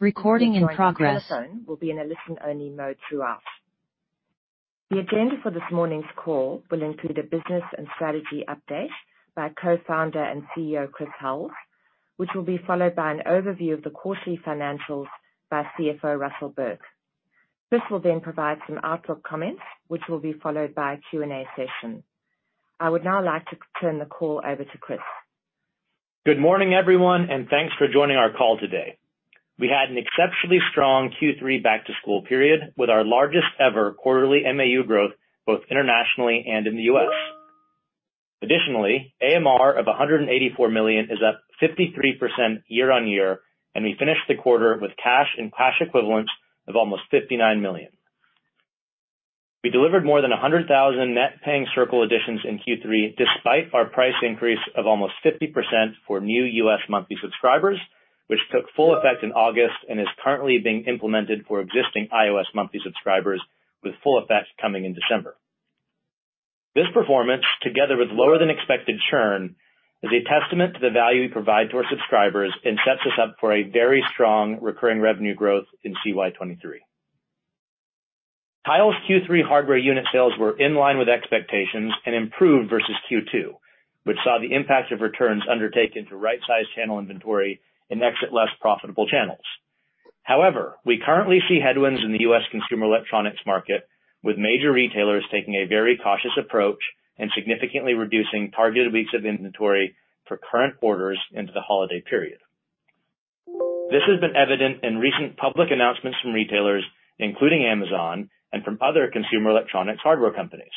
... Will be in a listen-only mode throughout. The agenda for this morning's call will include a business and strategy update by Co-Founder and CEO, Chris Hulls, which will be followed by an overview of the quarterly financials by CFO, Russell Burke. Chris will then provide some outlook comments, which will be followed by a Q&A session. I would now like to turn the call over to Chris. Good morning, everyone, and thanks for joining our call today. We had an exceptionally strong Q3 back-to-school period with our largest ever quarterly MAU growth, both internationally and in the U.S. Additionally, AMR of $184 million is up 53% year-over-year, and we finished the quarter with cash and cash equivalents of almost $59 million. We delivered more than 100,000 net Paying Circle additions in Q3, despite our price increase of almost 50% for new U.S. monthly subscribers, which took full effect in August and is currently being implemented for existing iOS monthly subscribers, with full effect coming in December. This performance, together with lower than expected churn, is a testament to the value we provide to our subscribers and sets us up for a very strong recurring revenue growth in CY 2023. Tile's Q3 hardware unit sales were in line with expectations and improved versus Q2, which saw the impact of returns undertaken to right-size channel inventory and exit less profitable channels. However, we currently see headwinds in the U.S. consumer electronics market, with major retailers taking a very cautious approach and significantly reducing targeted weeks of inventory for current orders into the holiday period. This has been evident in recent public announcements from retailers, including Amazon and from other consumer electronics hardware companies.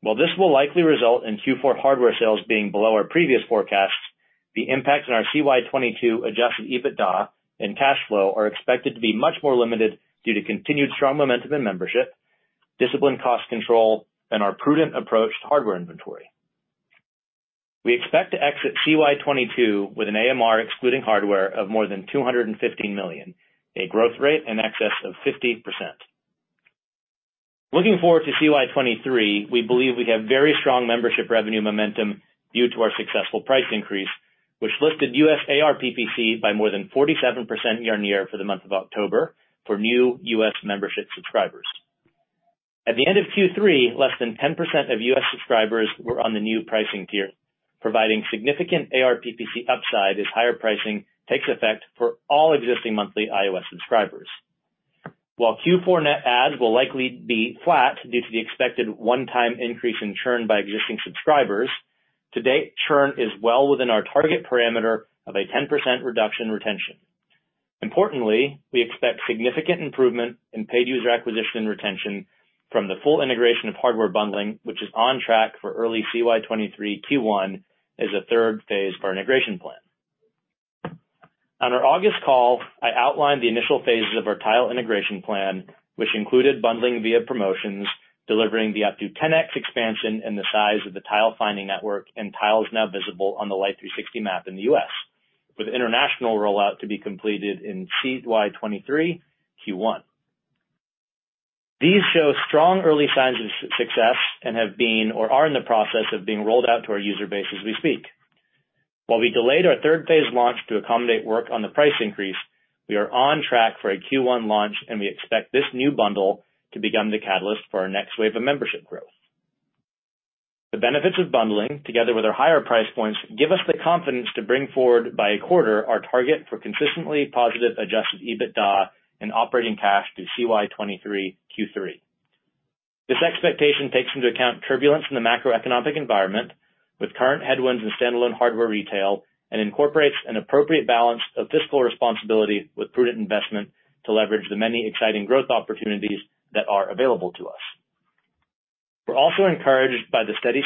While this will likely result in Q4 hardware sales being below our previous forecasts, the impact on our CY 2022 Adjusted EBITDA and cash flow are expected to be much more limited due to continued strong momentum in Membership, disciplined cost control, and our prudent approach to hardware inventory. We expect to exit CY 2022 with an AMR excluding hardware of more than $215 million, a growth rate in excess of 50%. Looking forward to CY 2023, we believe we have very strong Membership revenue momentum due to our successful price increase, which lifted US ARPPC by more than 47% year-on-year for the month of October for new US Membership subscribers. At the end of Q3, less than 10% of US subscribers were on the new pricing tier, providing significant ARPPC upside as higher pricing takes effect for all existing monthly iOS subscribers. While Q4 net adds will likely be flat due to the expected one-time increase in churn by existing subscribers, to date, churn is well within our target parameter of a 10% reduction retention. Importantly, we expect significant improvement in paid user acquisition retention from the full integration of hardware bundling, which is on track for early CY 2023 Q1 as a third phase of our integration plan. On our August call, I outlined the initial phases of our Tile integration plan, which included bundling via promotions, delivering the up to 10x expansion in the size of the Tile Finding Network, and Tiles now visible on the Life360 map in the U.S., with international rollout to be completed in CY 2023 Q1. These show strong early signs of success and have been or are in the process of being rolled out to our user base as we speak. While we delayed our third phase launch to accommodate work on the price increase, we are on track for a Q1 launch, and we expect this new bundle to become the catalyst for our next wave of Membership growth. The benefits of bundling together with our higher price points give us the confidence to bring forward by a quarter our target for consistently positive Adjusted EBITDA and operating cash through CY 2023 Q3. This expectation takes into account turbulence in the macroeconomic environment with current headwinds in standalone hardware retail and incorporates an appropriate balance of fiscal responsibility with prudent investment to leverage the many exciting growth opportunities that are available to us. We're also encouraged by the steady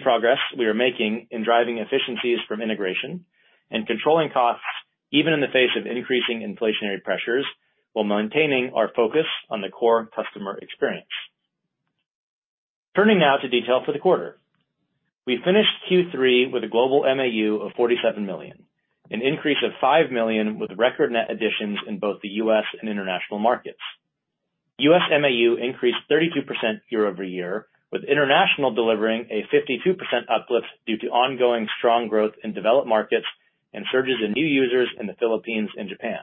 progress we are making in driving efficiencies from integration and controlling costs, even in the face of increasing inflationary pressures, while maintaining our focus on the core customer experience. Turning now to details for the quarter. We finished Q3 with a global MAU of 47 million, an increase of 5 million with record net additions in both the US and international markets. US MAU increased 32% year-over-year, with international delivering a 52% uplift due to ongoing strong growth in developed markets and surges in new users in the Philippines and Japan.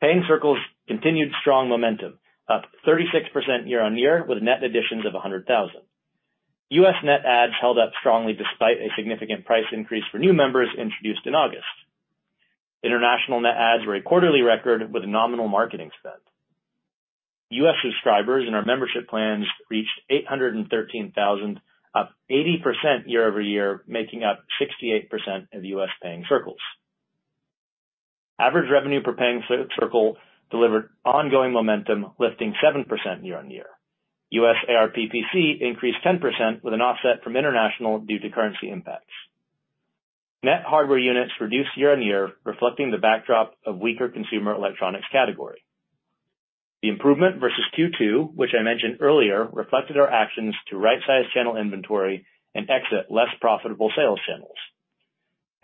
Paying Circles continued strong momentum, up 36% year-over-year with net additions of 100,000. US net adds held up strongly despite a significant price increase for new members introduced in August. International net adds were a quarterly record with a nominal marketing spend. U.S. subscribers in our Membership plans reached 813,000, up 80% year-over-year, making up 68% of U.S. Paying Circles. Average revenue per Paying Circle delivered ongoing momentum, lifting 7% year-over-year. U.S. ARPPC increased 10% with an offset from international due to currency impacts. Net hardware units reduced year-over-year, reflecting the backdrop of weaker consumer electronics category. The improvement versus Q2, which I mentioned earlier, reflected our actions to right-size channel inventory and exit less profitable sales channels.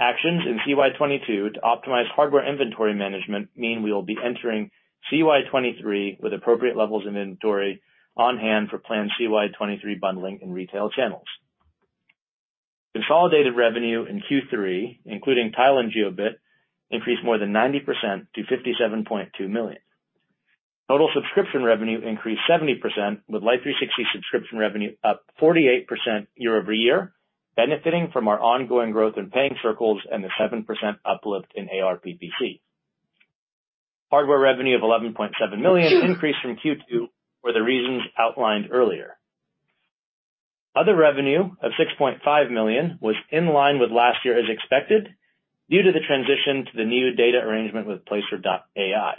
Actions in CY 2022 to optimize hardware inventory management mean we will be entering CY 2023 with appropriate levels of inventory on hand for plan CY 2023 bundling in retail channels. Consolidated revenue in Q3, including Tile and Jiobit, increased more than 90% to $57.2 million. Total subscription revenue increased 70% with Life360 subscription revenue up 48% year-over-year, benefiting from our ongoing growth in Paying Circles and the 7% uplift in ARPPC. Hardware revenue of $11.7 million increased from Q2 for the reasons outlined earlier. Other revenue of $6.5 million was in line with last year as expected, due to the transition to the new data arrangement with Placer.ai.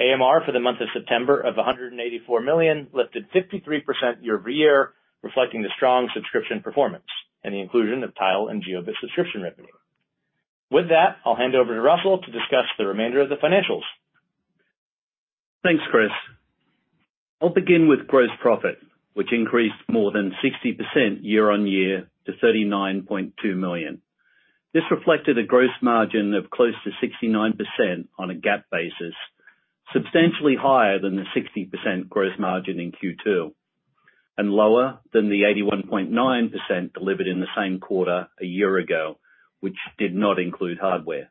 AMR for the month of September of $184 million lifted 53% year-over-year, reflecting the strong subscription performance and the inclusion of Tile and Jiobit subscription revenue. With that, I'll hand over to Russell to discuss the remainder of the financials. Thanks, Chris. I'll begin with gross profit, which increased more than 60% year-on-year to $39.2 million. This reflected a gross margin of close to 69% on a GAAP basis, substantially higher than the 60% gross margin in Q2, and lower than the 81.9% delivered in the same quarter a year ago, which did not include hardware.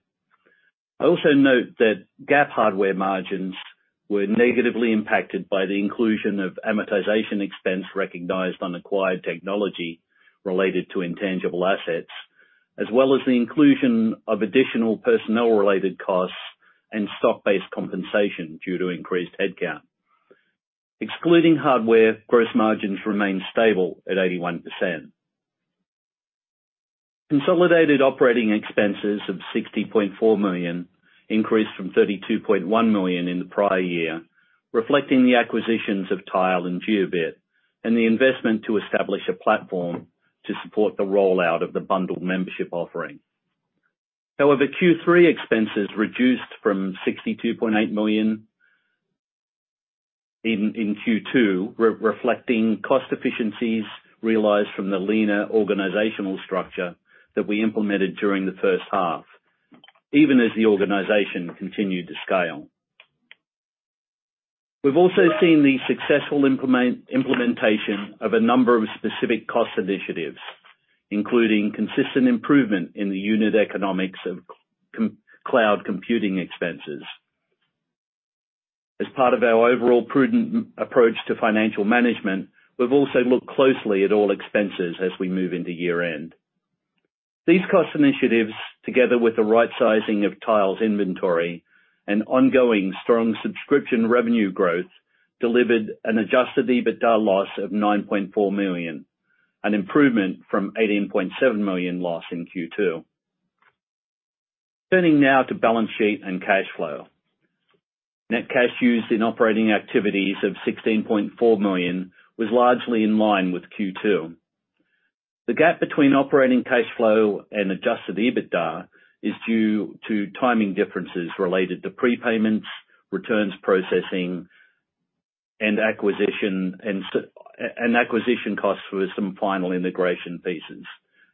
I also note that GAAP hardware margins were negatively impacted by the inclusion of amortization expense recognized on acquired technology related to intangible assets, as well as the inclusion of additional personnel-related costs and stock-based compensation due to increased headcount. Excluding hardware, gross margins remain stable at 81%. Consolidated operating expenses of $60.4 million increased from $32.1 million in the prior year, reflecting the acquisitions of Tile and Jiobit and the investment to establish a platform to support the rollout of the bundled Membership offering. However, Q3 expenses reduced from $62.8 million in Q2, reflecting cost efficiencies realized from the leaner organizational structure that we implemented during the first half, even as the organization continued to scale. We've also seen the successful implementation of a number of specific cost initiatives, including consistent improvement in the unit economics of cloud computing expenses. As part of our overall prudent approach to financial management, we've also looked closely at all expenses as we move into year-end. These cost initiatives, together with the right sizing of Tile's inventory and ongoing strong subscription revenue growth, delivered an Adjusted EBITDA loss of $9.4 million, an improvement from $18.7 million loss in Q2. Turning now to balance sheet and cash flow. Net cash used in operating activities of $16.4 million was largely in line with Q2. The gap between Operating Cash Flow and Adjusted EBITDA is due to timing differences related to prepayments, returns processing, and acquisition costs for some final integration pieces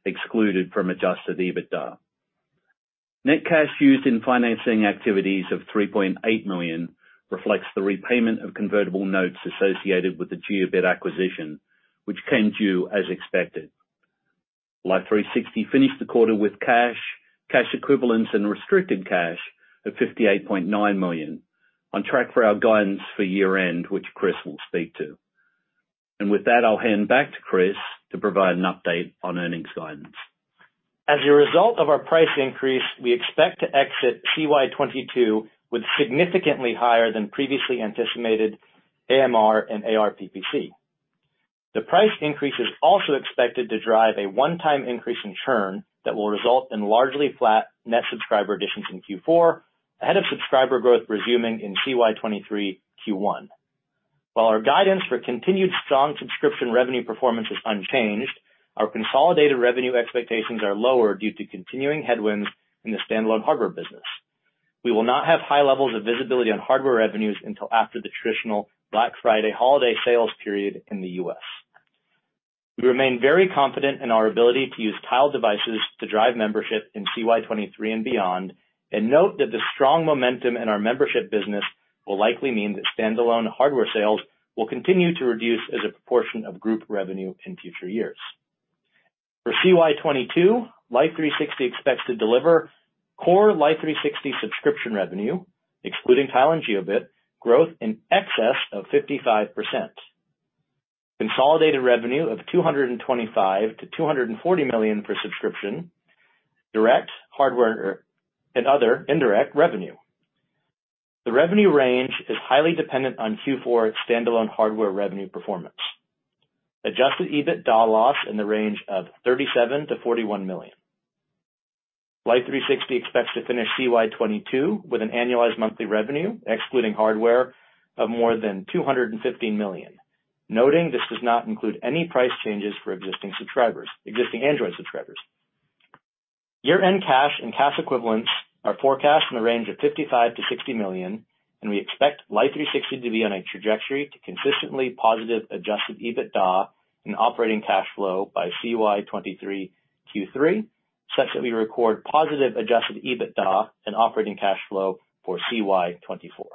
excluded from Adjusted EBITDA. Net cash used in financing activities of $3.8 million reflects the repayment of convertible notes associated with the Jiobit acquisition, which came due as expected. Life360 finished the quarter with cash equivalents and restricted cash of $58.9 million, on track for our guidance for year-end, which Chris will speak to. With that, I'll hand back to Chris to provide an update on earnings guidance. As a result of our price increase, we expect to exit CY 2022 with significantly higher than previously anticipated AMR and ARPPC. The price increase is also expected to drive a one-time increase in churn that will result in largely flat net subscriber additions in Q4, ahead of subscriber growth resuming in CY 2023 Q1. While our guidance for continued strong subscription revenue performance is unchanged, our consolidated revenue expectations are lower due to continuing headwinds in the standalone hardware business. We will not have high levels of visibility on hardware revenues until after the traditional Black Friday holiday sales period in the U.S. We remain very confident in our ability to use Tile devices to drive Membership in CY 2022 and beyond, and note that the strong momentum in our Membership business will likely mean that standalone hardware sales will continue to reduce as a proportion of group revenue in future years. Life360 expects to deliver core Life360 subscription revenue, excluding Tile and Jiobit, growth in excess of 55%. Consolidated revenue of $225 million-$240 million for subscription, direct hardware, and other indirect revenue. The revenue range is highly dependent on Q4 standalone hardware revenue performance. Adjusted EBITDA loss in the range of $37 million-$41 million. Life360 expects to finish CY 2022 with an Annualized Monthly Revenue, excluding hardware, of more than $215 million, noting this does not include any price changes for existing subscribers, existing Android subscribers. Year-end cash and cash equivalents are forecast in the range of $55 million-$60 million, and we expect Life360 to be on a trajectory to consistently positive Adjusted EBITDA and Operating Cash Flow by CY 2023 Q3, such that we record positive Adjusted EBITDA and Operating Cash Flow for CY 2024.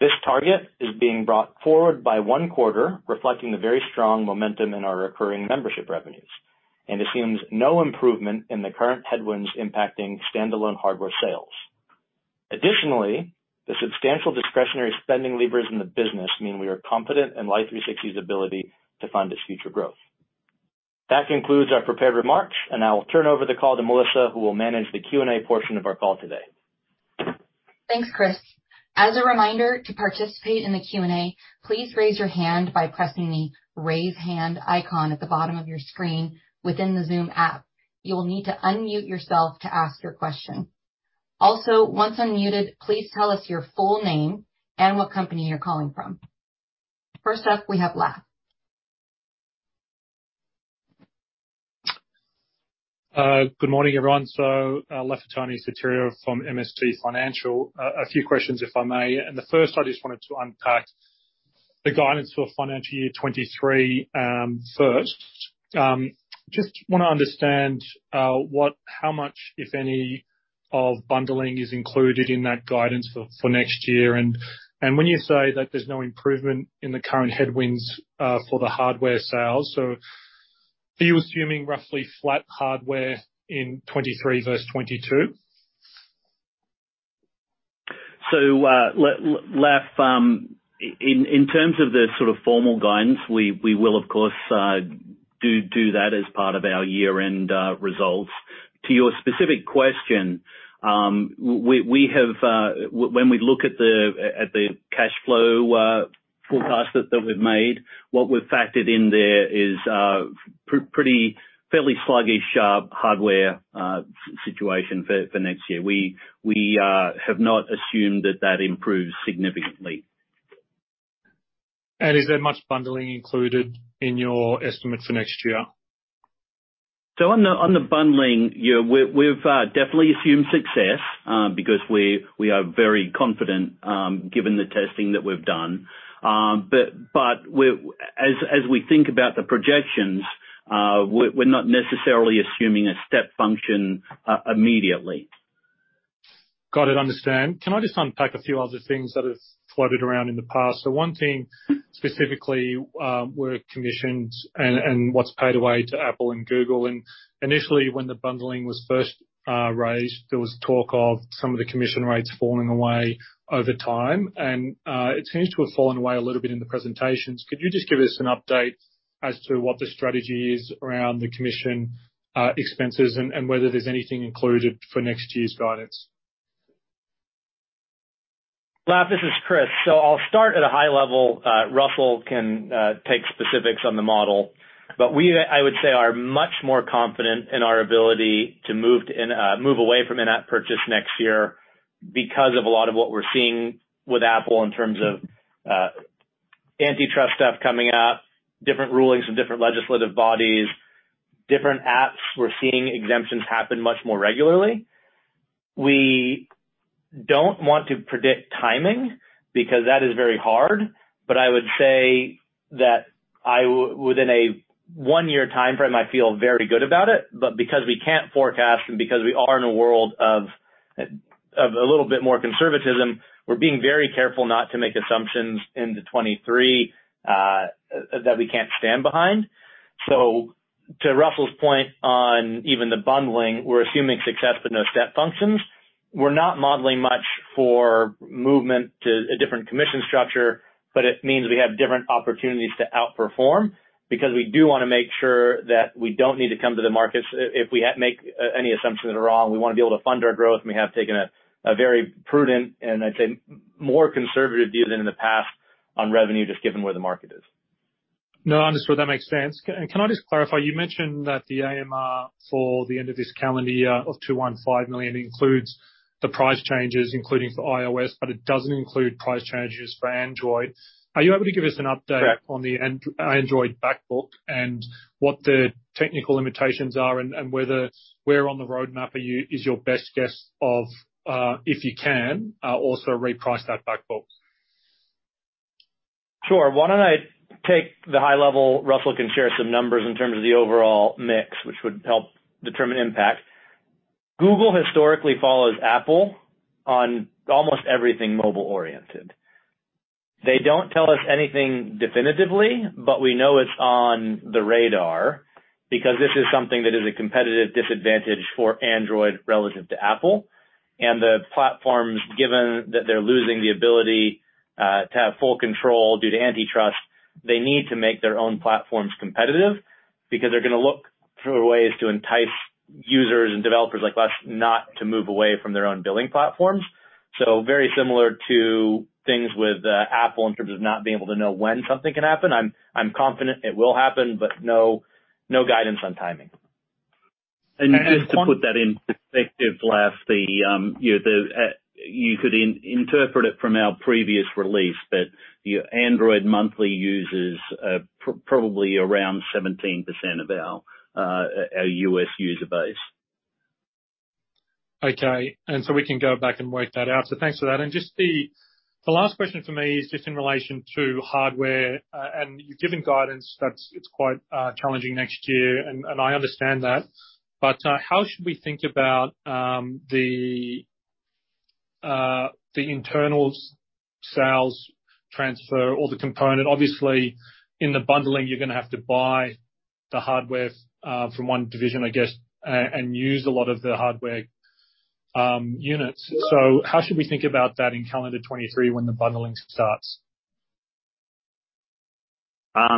This target is being brought forward by one quarter, reflecting the very strong momentum in our recurring Membership revenues and assumes no improvement in the current headwinds impacting standalone hardware sales. Additionally, the substantial discretionary spending levers in the business mean we are confident in Life360's ability to fund its future growth. That concludes our prepared remarks, and I will turn over the call to Melissa, who will manage the Q&A portion of our call today. Thanks, Chris. As a reminder, to participate in the Q&A, please raise your hand by pressing the Raise Hand icon at the bottom of your screen within the Zoom app. You will need to unmute yourself to ask your question. Also, once unmuted, please tell us your full name and what company you're calling from. First up, we have Laf. Good morning, everyone. Lafitani Sotiriou from MST Financial. A few questions, if I may. The first, I just wanted to unpack the guidance for financial year 2023. First, just wanna understand how much, if any, of bundling is included in that guidance for next year. When you say that there's no improvement in the current headwinds for the hardware sales, are you assuming roughly flat hardware in 2023 versus 2022? Laf, in terms of the sort of formal guidance, we will of course do that as part of our year-end results. To your specific question, we have, when we look at the cash flow forecast that we've made, what we've factored in there is pretty fairly sluggish hardware situation for next year. We have not assumed that improves significantly. Is there much bundling included in your estimates for next year? On the bundling, yeah, we've definitely assumed success because we are very confident given the testing that we've done. As we think about the projections, we're not necessarily assuming a step function immediately. Got it. Understand. Can I just unpack a few other things that have floated around in the past? One thing specifically, were commissions and what's paid away to Apple and Google. Initially, when the bundling was first raised, there was talk of some of the commission rates falling away over time. It seems to have fallen away a little bit in the presentations. Could you just give us an update as to what the strategy is around the commission expenses and whether there's anything included for next year's guidance? Laf, this is Chris. I'll start at a high level. Russell can take specifics on the model. We, I would say, are much more confident in our ability to move to and move away from in-app purchase next year because of a lot of what we're seeing with Apple in terms of antitrust stuff coming up, different rulings from different legislative bodies. Different apps, we're seeing exemptions happen much more regularly. We don't want to predict timing because that is very hard. I would say that within a one-year timeframe, I feel very good about it. Because we can't forecast and because we are in a world of a little bit more conservatism, we're being very careful not to make assumptions into 2023 that we can't stand behind. To Russell's point on even the bundling, we're assuming success but no step functions. We're not modeling much for movement to a different commission structure, but it means we have different opportunities to outperform because we do wanna make sure that we don't need to come to the markets. If any assumptions are wrong, we wanna be able to fund our growth, and we have taken a very prudent and I'd say more conservative view than in the past on revenue just given where the market is. No, understood. That makes sense. Can I just clarify, you mentioned that the AMR for the end of this calendar year of $215 million includes the price changes, including for iOS, but it doesn't include price changes for Android. Are you able to give us an update? Correct. On the Android back book and what the technical limitations are and whether where on the roadmap is your best guess of if you can also reprice that back book? Sure. Why don't I take the high level? Russell can share some numbers in terms of the overall mix, which would help determine impact. Google historically follows Apple on almost everything mobile-oriented. They don't tell us anything definitively, but we know it's on the radar because this is something that is a competitive disadvantage for Android relative to Apple. The platforms, given that they're losing the ability to have full control due to antitrust, they need to make their own platforms competitive because they're gonna look for ways to entice users and developers like us not to move away from their own billing platforms. Very similar to things with Apple in terms of not being able to know when something can happen. I'm confident it will happen, but no guidance on timing. Just to put that in perspective, Laf, you know, you could interpret it from our previous release that your Android monthly users are probably around 17% of our U.S. user base. Okay. We can go back and work that out. Thanks for that. Just the last question for me is just in relation to hardware. You've given guidance that it's quite challenging next year, and I understand that. How should we think about them internal sales transfer or the component. Obviously in the bundling, you're gonna have to buy the hardware from one division, I guess, and use a lot of the hardware units. How should we think about that in calendar 2023 when the bundling starts? I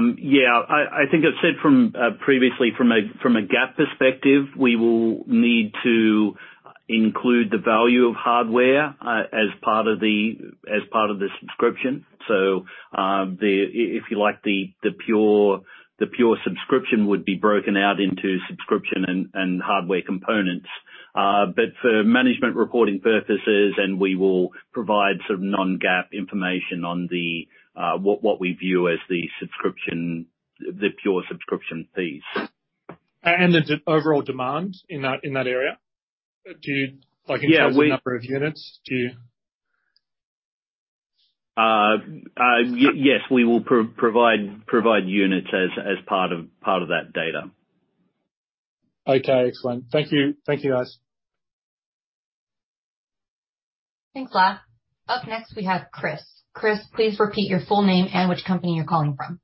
think I've said from previously, from a GAAP perspective, we will need to include the value of hardware as part of the subscription. If you like, the pure subscription would be broken out into subscription and hardware components. But for management reporting purposes, we will provide sort of non-GAAP information on what we view as the subscription, the pure subscription fees. And is that overall demand in that area? Do you, like- Yeah, we In terms of the number of units. Do you Yes, we will provide units as part of that data. Okay, excellent. Thank you. Thank you, guys. Thanks, Laf. Up next, we have Chris. Chris, please repeat your full name and which company you're calling from.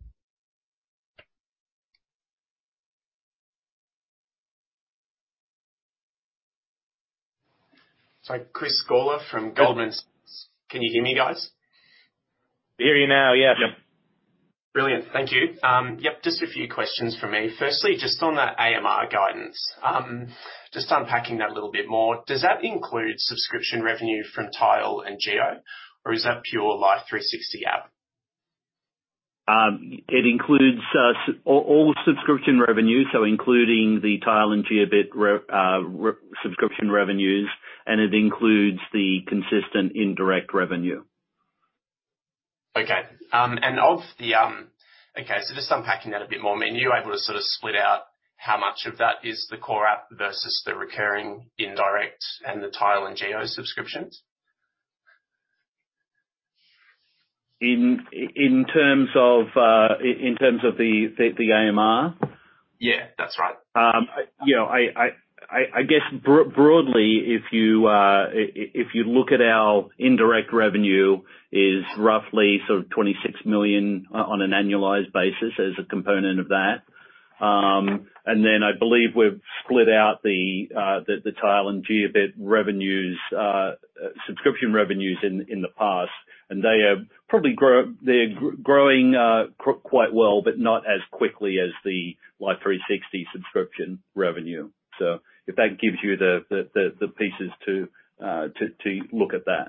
Sorry. Chris Gawler from Goldman Sachs. Can you hear me, guys? We hear you now, yeah. Yeah. Brilliant. Thank you. Yep, just a few questions from me. Firstly, just on that AMR guidance, just unpacking that a little bit more, does that include subscription revenue from Tile and Jiobit, or is that pure Life360 app? It includes all subscription revenue, so including the Tile and Jiobit subscription revenues, and it includes the consistent indirect revenue. Okay. Just unpacking that a bit more. I mean, are you able to sort of split out how much of that is the core app versus the recurring indirect and the Tile and Jiobit subscriptions? In terms of the AMR? Yeah, that's right. You know, I guess broadly, if you look at our indirect revenue is roughly sort of $26 million on an annualized basis as a component of that. And then I believe we've split out the Tile and Jiobit revenues, subscription revenues in the past, and they are probably growing quite well, but not as quickly as the Life360 subscription revenue. If that gives you the pieces to look at that.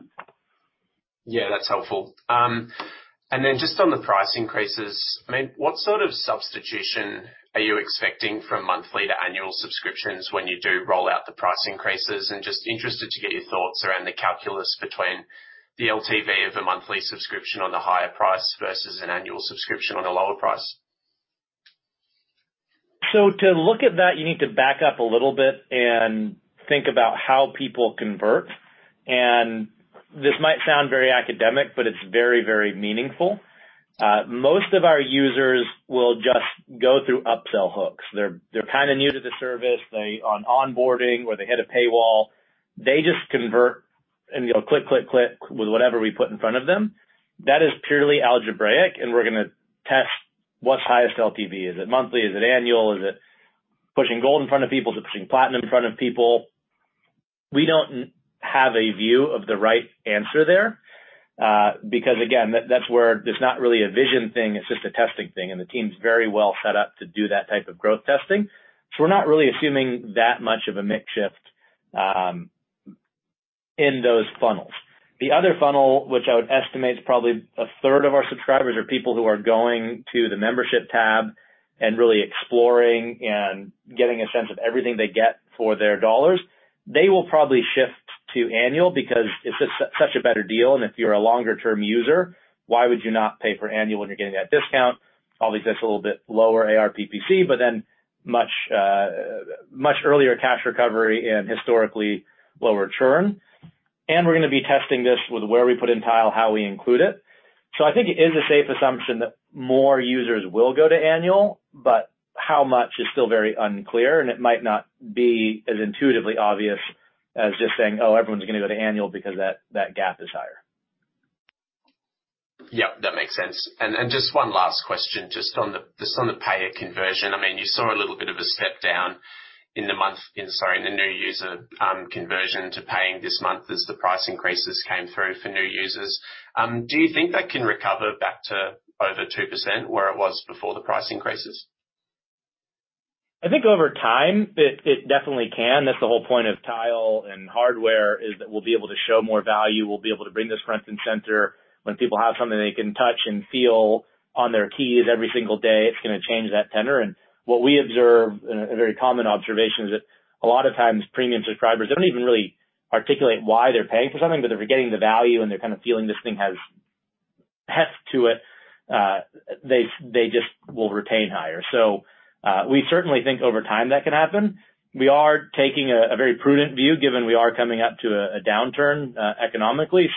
Yeah, that's helpful. Just on the price increases, I mean, what sort of substitution are you expecting from monthly to annual subscriptions when you do roll out the price increases? Just interested to get your thoughts around the calculus between the LTV of a monthly subscription on the higher price versus an annual subscription on a lower price. To look at that, you need to back up a little bit and think about how people convert. This might sound very academic, but it's very, very meaningful. Most of our users will just go through upsell hooks. They're kinda new to the service. On onboarding or they hit a paywall, they just convert and, you know, click, click with whatever we put in front of them. That is purely algebraic, and we're gonna test what's highest LTV. Is it monthly? Is it annual? Is it pushing Gold in front of people? Is it pushing Platinum in front of people? We don't have a view of the right answer there, because again, that's where it's not really a vision thing, it's just a testing thing, and the team's very well set up to do that type of growth testing. We're not really assuming that much of a mix shift in those funnels. The other funnel, which I would estimate is probably a third of our subscribers, are people who are going to the Membership tab and really exploring and getting a sense of everything they get for their dollars. They will probably shift to annual because it's just such a better deal, and if you're a longer term user, why would you not pay for annual when you're getting that discount? Obviously, it's a little bit lower ARPPC, but then much earlier cash recovery and historically lower churn. We're gonna be testing this with where we put in Tile, how we include it. I think it is a safe assumption that more users will go to annual, but how much is still very unclear, and it might not be as intuitively obvious as just saying, "Oh, everyone's gonna go to annual because that gap is higher. Yep, that makes sense. Just one last question, just on the paying conversion. I mean, you saw a little bit of a step down in the month in the new user conversion to paying this month as the price increases came through for new users. Do you think that can recover back to over 2%, where it was before the price increases? I think over time, it definitely can. That's the whole point of Tile and hardware, is that we'll be able to show more value. We'll be able to bring this front and center. When people have something they can touch and feel on their keys every single day, it's gonna change that tenor. What we observe, and a very common observation, is that a lot of times premium subscribers don't even really articulate why they're paying for something, but if they're getting the value and they're kinda feeling this thing has heft to it, they just will retain higher. We certainly think over time that can happen. We are taking a very prudent view given we are coming up to a downturn economically.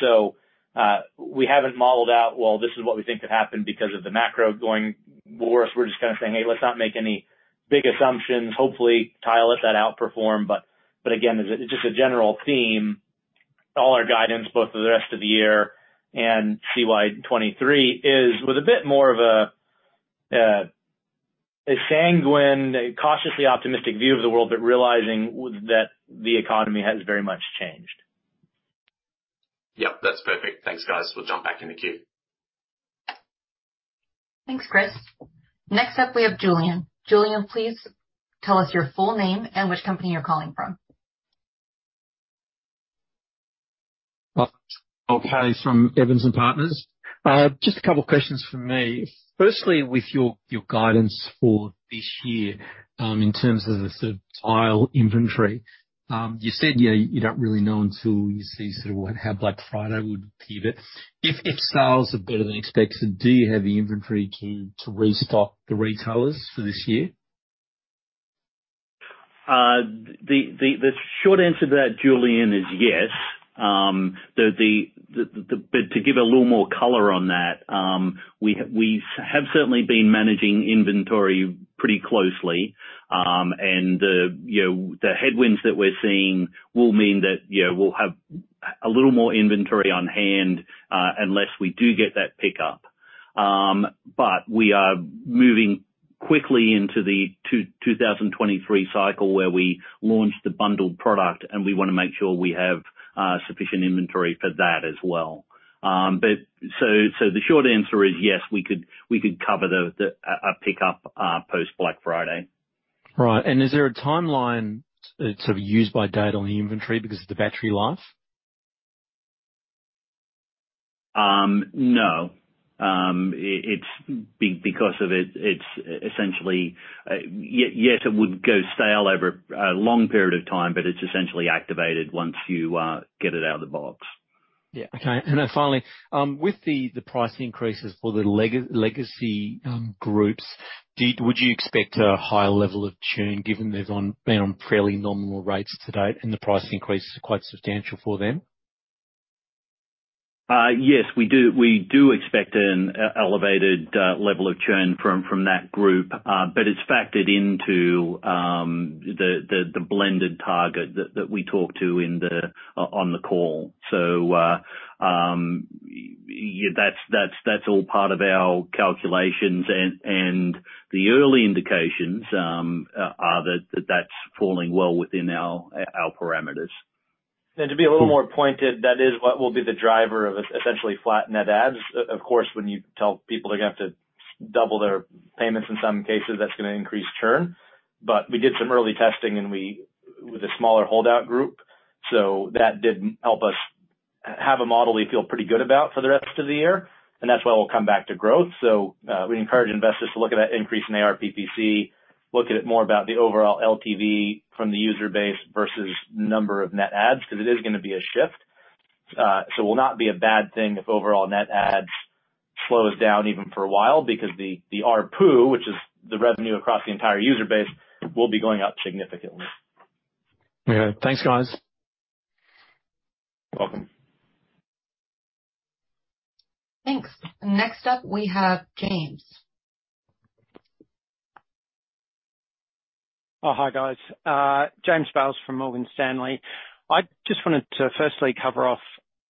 We haven't modeled out, well, this is what we think could happen because of the macro going worse. We're just kinda saying, "Hey, let's not make any big assumptions." Hopefully, Tile lets that outperform. But again, it's just a general theme. All our guidance, both for the rest of the year and CY 2023 is with a bit more of a sanguine, a cautiously optimistic view of the world, but realizing that the economy has very much changed. Yep, that's perfect. Thanks, guys. We'll jump back in the queue. Thanks, Chris. Next up, we have Julian. Julian, please tell us your full name and which company you're calling from. Julian Mulcahy from Evans & Partners. Just a couple questions from me. Firstly, with your guidance for this year, in terms of the sort of Tile inventory, you said, you know, you don't really know until you see sort of how Black Friday would be. If sales are better than expected, do you have the inventory to restock the retailers for this year? The short answer to that, Julian, is yes. To give a little more color on that, we have certainly been managing inventory pretty closely. The headwinds that we're seeing, you know, will mean that, you know, we'll have a little more inventory on hand unless we do get that pickup. We are moving quickly into the 2023 cycle where we launched the bundled product, and we want to make sure we have sufficient inventory for that as well. The short answer is yes, we could cover a pickup post-Black Friday. Right. Is there a timeline sort of use by date on the inventory because of the battery life? No. It's because of it's essentially, yes, it would go stale over a long period of time, but it's essentially activated once you get it out of the box. Finally, with the price increases for the legacy groups, would you expect a higher level of churn given they've been on fairly nominal rates to date and the price increases are quite substantial for them? Yes, we do. We do expect an elevated level of churn from that group, but it's factored into the blended target that we talked about on the call. That's all part of our calculations and the early indications are that that's falling well within our parameters. To be a little more pointed, that is what will be the driver of essentially flat net adds. Of course, when you tell people they're gonna have to double their payments in some cases, that's gonna increase churn. We did some early testing with a smaller holdout group. That did help us have a model we feel pretty good about for the rest of the year, and that's why we'll come back to growth. We encourage investors to look at that increase in ARPPC, look at it more about the overall LTV from the user base versus number of net adds, because it is gonna be a shift. It will not be a bad thing if overall net adds slows down even for a while because the ARPU, which is the revenue across the entire user base, will be going up significantly. Okay. Thanks, guys. Welcome. Thanks. Next up, we have James. Hi, guys. James Bales from Morgan Stanley. I just wanted to firstly cover off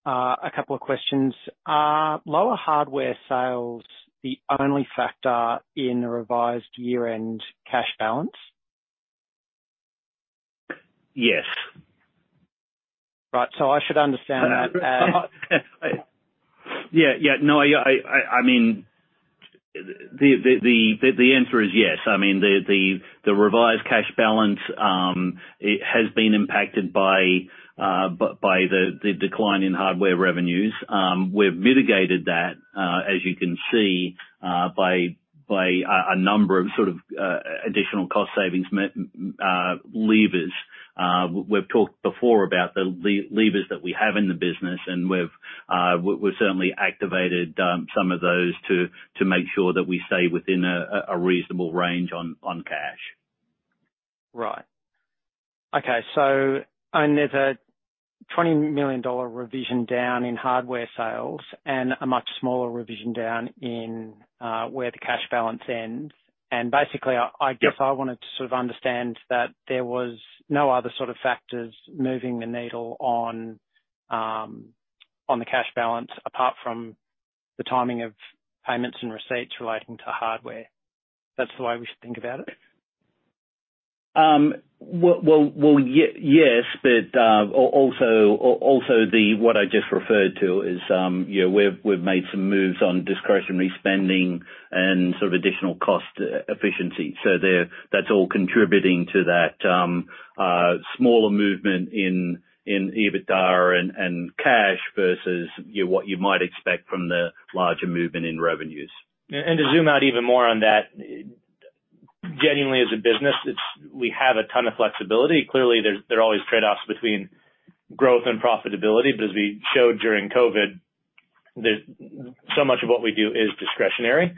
a couple of questions. Are lower hardware sales the only factor in the revised year-end cash balance? Yes. Right. I should understand that. I mean, the answer is yes. I mean, the revised cash balance, it has been impacted by the decline in hardware revenues. We've mitigated that, as you can see, by a number of sort of additional cost savings levers. We've talked before about the levers that we have in the business, and we've certainly activated some of those to make sure that we stay within a reasonable range on cash. Right. Okay. There's a $20 million revision down in hardware sales and a much smaller revision down in where the cash balance ends. Basically, I Yeah. I guess I wanted to sort of understand that there was no other sort of factors moving the needle on the cash balance apart from the timing of payments and receipts relating to hardware. That's the way we should think about it? Well, yes, but also what I just referred to is, you know, we've made some moves on discretionary spending and sort of additional cost efficiency. That's all contributing to that smaller movement in EBITDA and cash versus what you might expect from the larger movement in revenues. To zoom out even more on that, genuinely as a business, it's we have a ton of flexibility. Clearly, there are always trade-offs between growth and profitability, but as we showed during COVID, so much of what we do is discretionary.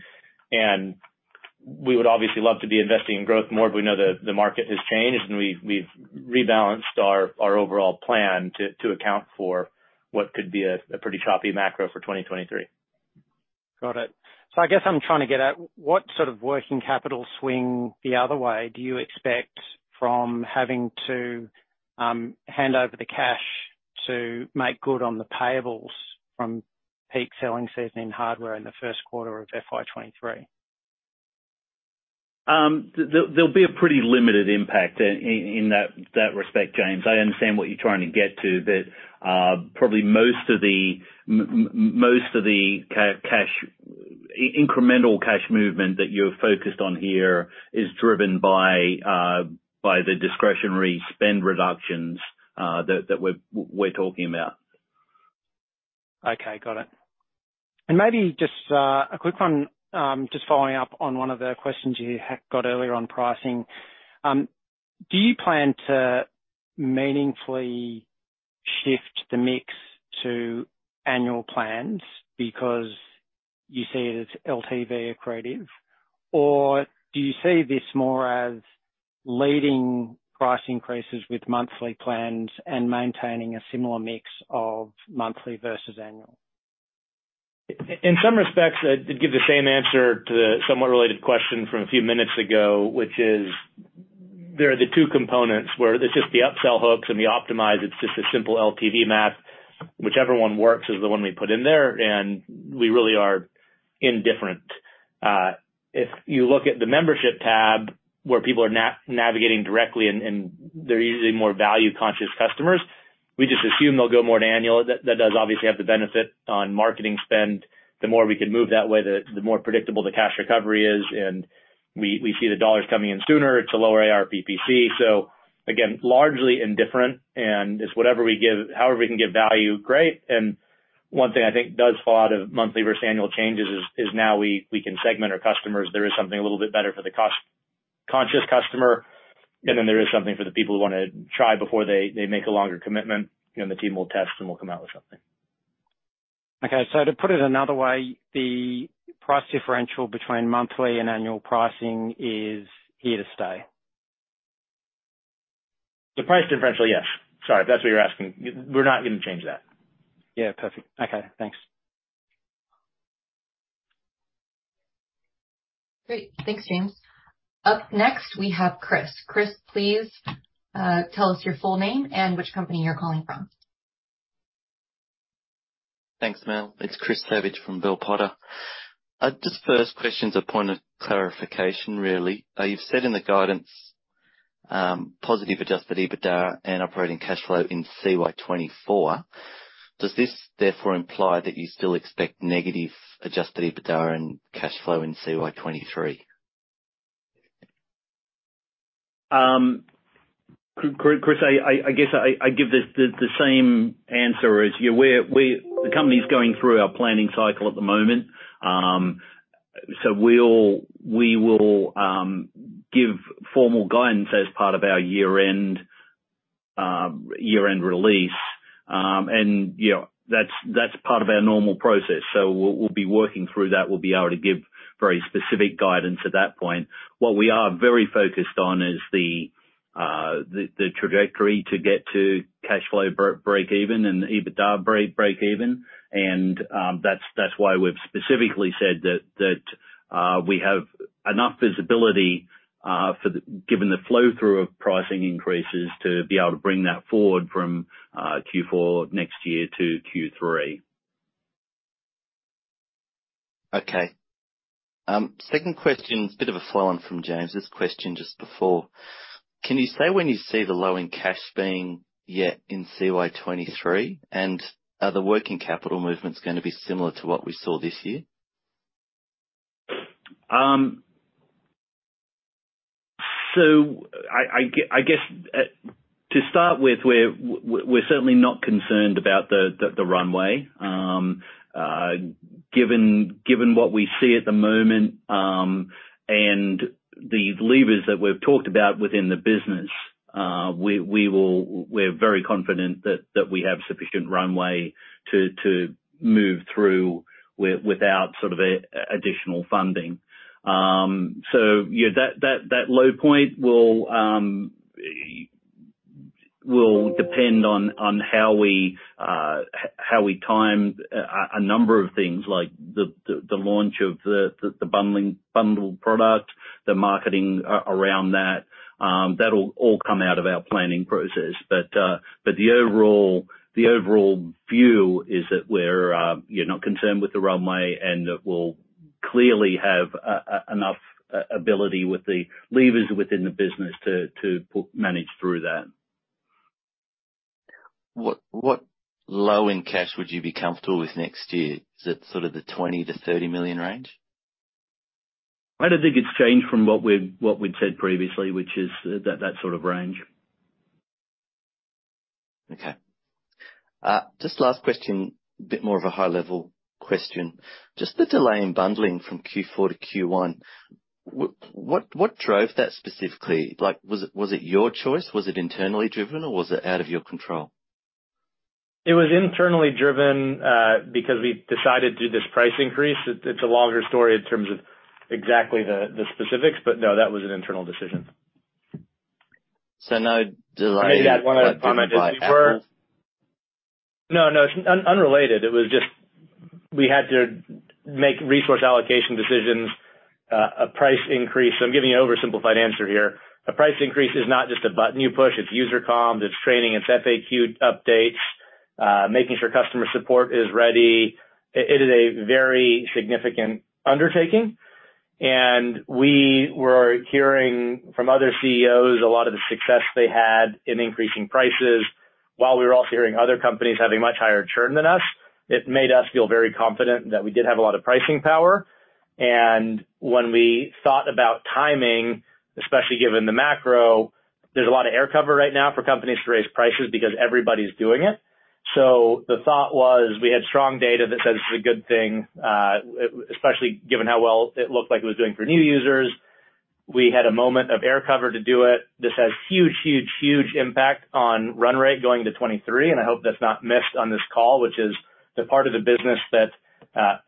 We would obviously love to be investing in growth more, but we know the market has changed, and we've rebalanced our overall plan to account for what could be a pretty choppy macro for 2023. Got it. I guess I'm trying to get at, what sort of working capital swing the other way do you expect from having to hand over the cash to make good on the payables from peak selling season in hardware in the first quarter of FY 2023? There'll be a pretty limited impact in that respect, James. I understand what you're trying to get to, but probably most of the cash, incremental cash movement that you're focused on here is driven by the discretionary spend reductions that we're talking about. Okay, got it. Maybe just a quick one, just following up on one of the questions you got earlier on pricing. Do you plan to meaningfully shift the mix to annual plans because you see it as LTV accretive? Or do you see this more as leading price increases with monthly plans and maintaining a similar mix of monthly versus annual? In some respects, I'd give the same answer to the somewhat related question from a few minutes ago, which is there are the two components where it's just the upsell hooks and the optimization, it's just a simple LTV map. Whichever one works is the one we put in there, and we really are indifferent. If you look at the Membership tab, where people are navigating directly and they're usually more value-conscious customers, we just assume they'll go more to annual. That does obviously have the benefit on marketing spend. The more we can move that way, the more predictable the cash recovery is, and we see the dollars coming in sooner to lower ARPPC. Again, largely indifferent, and it's whatever we give. However we can give value, great. One thing I think does fall out of monthly versus annual changes is now we can segment our customers. There is something a little bit better for the cost-conscious customer, and then there is something for the people who wanna try before they make a longer commitment. You know, the team will test, and we'll come out with something. Okay. To put it another way, the price differential between monthly and annual pricing is here to stay. The price differential, yes. Sorry, if that's what you're asking. We're not gonna change that. Yeah, perfect. Okay, thanks. Great. Thanks, James. Up next, we have Chris. Chris, please, tell us your full name and which company you're calling from. Thanks, Mel. It's Chris Savage from Bell Potter. My first question is a point of clarification, really. You've said in the guidance positive Adjusted EBITDA and Operating Cash Flow in CY 2024. Does this therefore imply that you still expect negative Adjusted EBITDA and cash flow in CY 2023? Chris, I guess I give the same answer as you. The company's going through our planning cycle at the moment. We'll give formal guidance as part of our year-end release. You know, that's part of our normal process. We'll be working through that. We'll be able to give very specific guidance at that point. What we are very focused on is the trajectory to get to cash flow break even and EBITDA break even. That's why we've specifically said that we have enough visibility, given the flow-through of pricing increases, to be able to bring that forward from Q4 next year to Q3. Okay. Second question's a bit of a follow on from James Bales' question just before. Can you say when you see the low in cash being hit in CY 2023? And are the working capital movements gonna be similar to what we saw this year? I guess to start with, we're certainly not concerned about the runway. Given what we see at the moment, and the levers that we've talked about within the business, we're very confident that we have sufficient runway to move through without sort of additional funding. You know, that low point will depend on how we time a number of things like the launch of the bundled product, the marketing around that'll all come out of our planning process. The overall view is that we're, you know, concerned with the runway and that we'll clearly have enough ability with the levers within the business to manage through that. What low in cash would you be comfortable with next year? Is it sort of the $20 million-$30 million range? I don't think it's changed from what we'd said previously, which is that sort of range. Okay. Just last question, a bit more of a high level question. Just the delay in bundling from Q4 to Q1, what drove that specifically? Like, was it your choice? Was it internally driven, or was it out of your control? It was internally driven, because we decided to do this price increase. It's a longer story in terms of exactly the specifics, but no, that was an internal decision. No delay... Let me add one other comment. by Apple? No, no, it's unrelated. It was just we had to make resource allocation decisions. I'm giving you an oversimplified answer here. A price increase is not just a button you push. It's user comm, it's training, it's FAQ updates, making sure customer support is ready. It is a very significant undertaking, and we were hearing from other CEOs a lot of the success they had in increasing prices, while we were also hearing other companies having much higher churn than us. It made us feel very confident that we did have a lot of pricing power. When we thought about timing, especially given the macro, there's a lot of air cover right now for companies to raise prices because everybody's doing it. The thought was we had strong data that says this is a good thing, especially given how well it looked like it was doing for new users. We had a moment of air cover to do it. This has huge impact on run rate going into 2023, and I hope that's not missed on this call, which is the part of the business that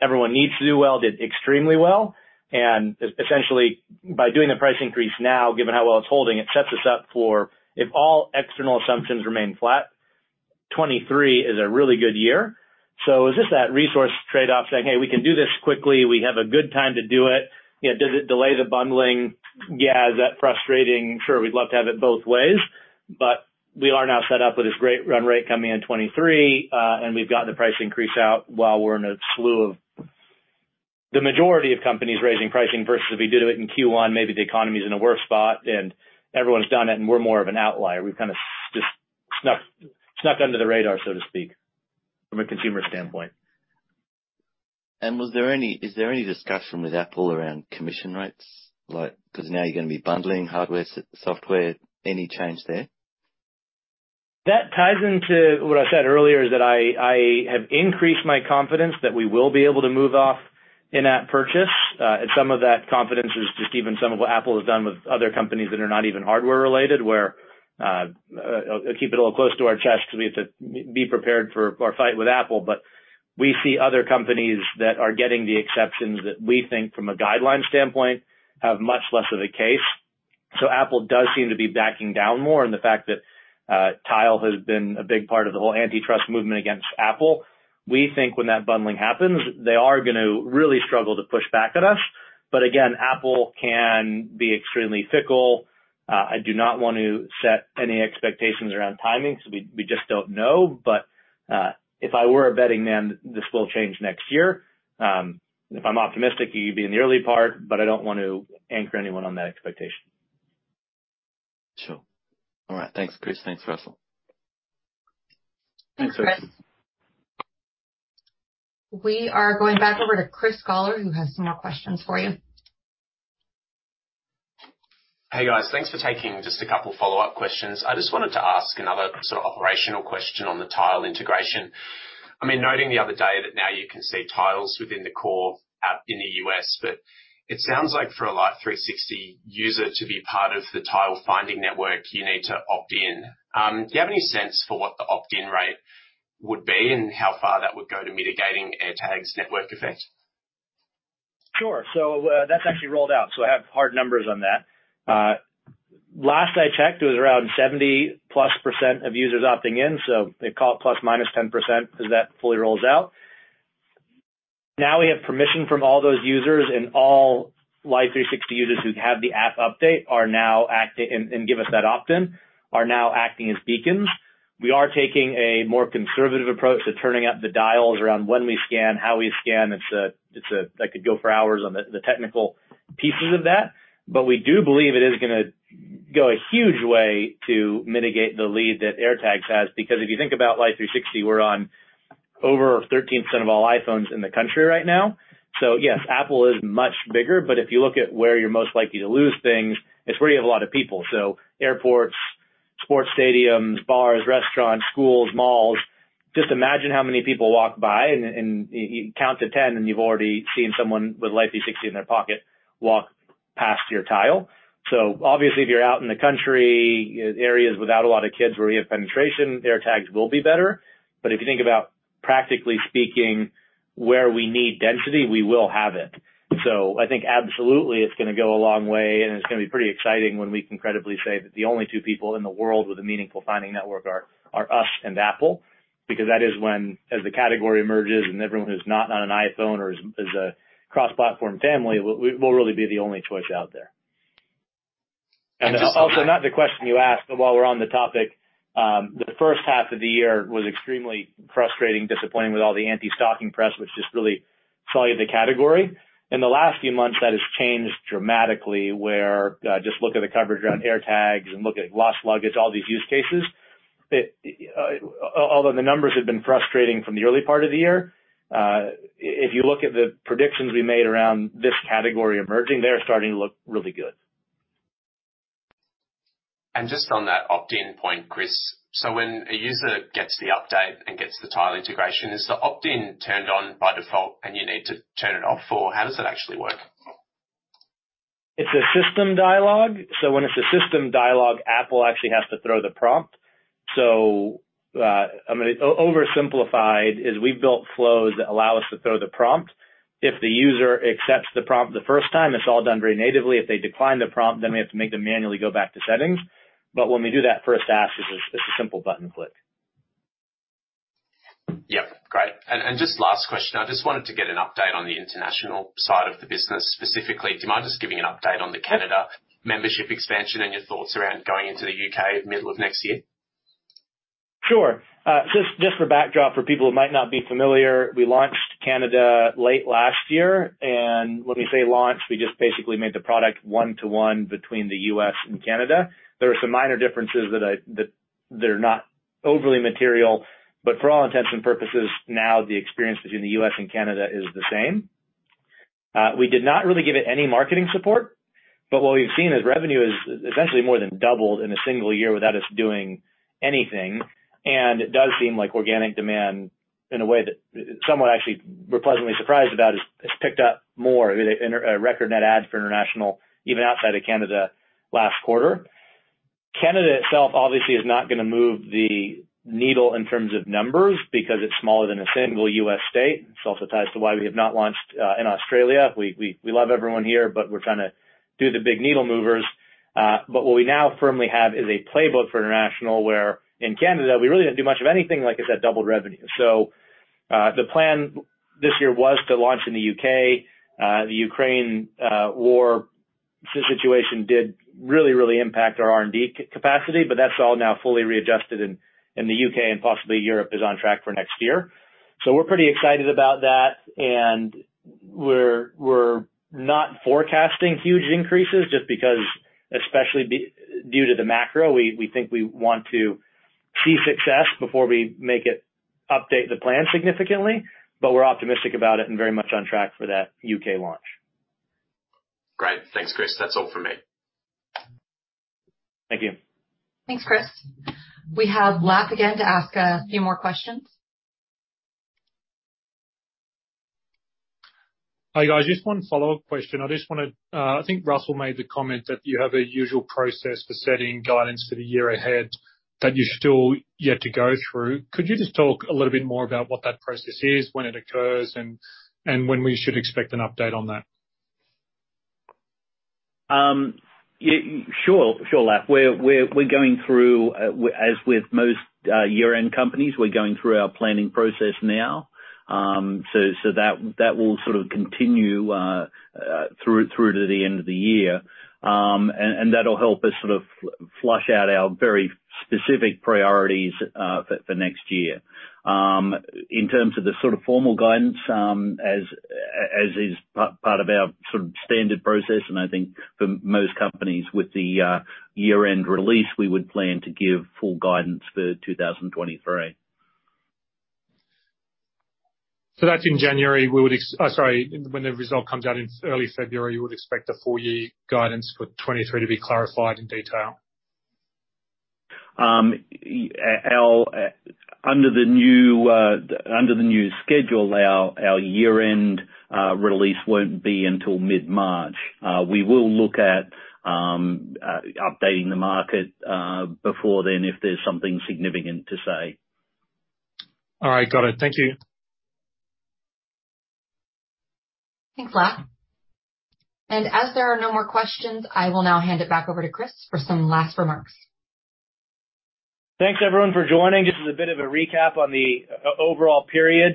everyone needs to do well, did extremely well. Essentially, by doing the price increase now, given how well it's holding, it sets us up for if all external assumptions remain flat, 2023 is a really good year. It's just that resource trade-off saying, "Hey, we can do this quickly. We have a good time to do it." You know, does it delay the bundling? Yeah. Is that frustrating? Sure. We'd love to have it both ways, but we are now set up with this great run rate coming in 2023, and we've gotten the price increase out while we're in a slew of the majority of companies raising pricing versus if we did it in Q1, maybe the economy's in a worse spot and everyone's done it and we're more of an outlier. We've kinda snuck under the radar, so to speak, from a consumer standpoint. Is there any discussion with Apple around commission rates? Like, 'cause now you're gonna be bundling hardware software. Any change there? That ties into what I said earlier, is that I have increased my confidence that we will be able to move off in-app purchase. Some of that confidence is just even some of what Apple has done with other companies that are not even hardware related, where I'll keep it a little close to our chest 'cause we have to be prepared for our fight with Apple. We see other companies that are getting the exceptions that we think from a guideline standpoint, have much less of a case. Apple does seem to be backing down more. The fact that Tile has been a big part of the whole antitrust movement against Apple, we think when that bundling happens, they are gonna really struggle to push back at us. Again, Apple can be extremely fickle. I do not want to set any expectations around timing, so we just don't know. If I were a betting man, this will change next year. If I'm optimistic, it'd be in the early part, but I don't want to anchor anyone on that expectation. Sure. All right, thanks, Chris. Thanks, Russell. Thanks, Chris. We are going back over to Chris Gawler, who has some more questions for you. Hey, guys. Thanks for taking just a couple of follow-up questions. I just wanted to ask another sort of operational question on the Tile integration. I mean, noting the other day that now you can see Tiles within the core app in the U.S., but it sounds like for a Life360 user to be part of the Tile Finding Network, you need to opt in. Do you have any sense for what the opt-in rate would be and how far that would go to mitigating AirTag's network effect? Sure. That's actually rolled out, so I have hard numbers on that. Last I checked, it was around 70+% of users opting in, so they call it ±10% as that fully rolls out. Now we have permission from all those users, and all Life360 users who have the app update and give us that opt-in are now acting as beacons. We are taking a more conservative approach to turning up the dials around when we scan, how we scan. It's. I could go for hours on the technical pieces of that, but we do believe it is gonna go a huge way to mitigate the lead that AirTags has. Because if you think about Life360, we're on over 13% of all iPhones in the country right now. Yes, Apple is much bigger, but if you look at where you're most likely to lose things, it's where you have a lot of people. Airports, sports stadiums, bars, restaurants, schools, malls. Just imagine how many people walk by and you count to ten, and you've already seen someone with Life360 in their pocket walk past your Tile. Obviously, if you're out in the country, areas without a lot of kids where we have penetration, AirTags will be better. If you think about, practically speaking, where we need density, we will have it. I think absolutely, it's gonna go a long way, and it's gonna be pretty exciting when we can credibly say that the only two people in the world with a meaningful Find My network are us and Apple, because that is when, as the category emerges and everyone who's not on an iPhone or is a cross-platform family, we'll really be the only choice out there. Just on that. Also, not the question you asked, but while we're on the topic, the first half of the year was extremely frustrating, disappointing with all the anti-stalking press, which just really sullied the category. In the last few months, that has changed dramatically, where just look at the coverage around AirTag and look at lost luggage, all these use cases. Although the numbers have been frustrating from the early part of the year, if you look at the predictions we made around this category emerging, they are starting to look really good. Just on that opt-in point, Chris. When a user gets the update and gets the Tile integration, is the opt-in turned on by default and you need to turn it off, or how does that actually work? It's a system dialogue. When it's a system dialogue, Apple actually has to throw the prompt. I mean, oversimplified is we've built flows that allow us to throw the prompt. If the user accepts the prompt the first time, it's all done very natively. If they decline the prompt, then we have to make them manually go back to settings. When we do that first ask, it's a simple button click. Yep, great. Just last question. I just wanted to get an update on the international side of the business. Specifically, do you mind just giving an update on the Canada Membership expansion and your thoughts around going into the U.K. middle of next year? Sure. Just for background for people who might not be familiar, we launched in Canada late last year. When we say launch, we just basically made the product one-to-one between the U.S. and Canada. There are some minor differences that are not overly material, but for all intents and purposes, now the experience between the U.S. and Canada is the same. We did not really give it any marketing support, but what we've seen is revenue is essentially more than doubled in a single year without us doing anything. It does seem like organic demand, in a way that somewhat actually we're pleasantly surprised about, has picked up more in a record net add for international, even outside of Canada last quarter. Canada itself obviously is not gonna move the needle in terms of numbers because it's smaller than a single U.S. state. It also ties to why we have not launched in Australia. We love everyone here, but we're trying to do the big needle movers. What we now firmly have is a playbook for international, where in Canada we really didn't do much of anything, like I said, doubled revenue. The plan this year was to launch in the U.K. The Ukraine war situation did really impact our R&D capacity, but that's all now fully readjusted in the U.K. and possibly Europe is on track for next year. We're pretty excited about that. We're not forecasting huge increases just because, especially due to the macro. We think we want to see success before we make it update the plan significantly. We're optimistic about it and very much on track for that U.K. launch. Great. Thanks, Chris. That's all for me. Thank you. Thanks, Chris. We have Laf again to ask a few more questions. Hi, guys. Just one follow-up question. I think Russell made the comment that you have a usual process for setting guidance for the year ahead that you're still yet to go through. Could you just talk a little bit more about what that process is, when it occurs, and when we should expect an update on that? Yeah. Sure, Laf. We're going through, as with most year-end companies, our planning process now. So that will sort of continue through to the end of the year. And that'll help us sort of flesh out our very specific priorities for next year. In terms of the sort of formal guidance, as is part of our sort of standard process, and I think for most companies with the year-end release, we would plan to give full guidance for 2023. When the result comes out in early February, we would expect a full year guidance for 2023 to be clarified in detail. Under the new schedule, our year-end release won't be until mid-March. We will look at updating the market before then if there's something significant to say. All right. Got it. Thank you. Thanks, Laf. As there are no more questions, I will now hand it back over to Chris for some last remarks. Thanks everyone for joining. Just as a bit of a recap on the overall period.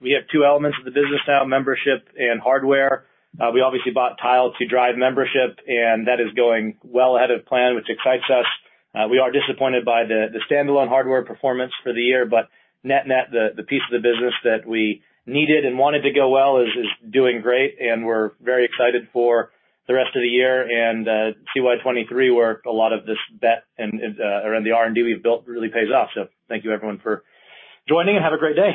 We have two elements of the business now, Membership and Hardware. We obviously bought Tile to drive Membership, and that is going well ahead of plan, which excites us. We are disappointed by the standalone Hardware performance for the year, but net-net, the piece of the business that we needed and wanted to go well is doing great, and we're very excited for the rest of the year and CY '23, where a lot of this bet and around the R&D we've built really pays off. Thank you everyone for joining, and have a great day.